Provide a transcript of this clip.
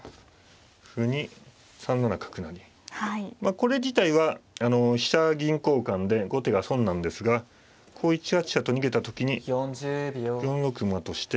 これ自体は飛車銀交換で後手が損なんですがこう１八飛車と逃げた時に４六馬として。